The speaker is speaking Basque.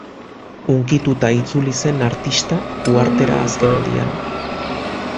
Hunkituta itzuli zen artista uhartera azken aldian.